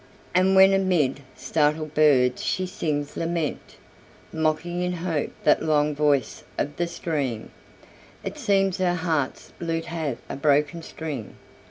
And when amid startled birds she sings lament, Mocking in hope the long voice of the stream, It seems her heart's lute hath a broken string.